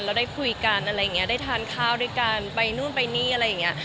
แล้วได้คุยกันอะไรอย่างนี้ได้ทานข้าวด้วยกันไปนู่นไปนี่อะไรอย่างเงี้ย